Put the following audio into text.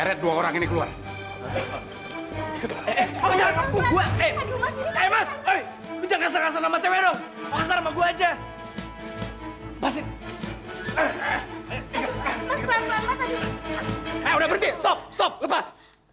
eh udah berhenti stop stop lepas